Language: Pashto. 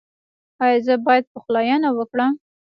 ایا زه باید پخلاینه وکړم؟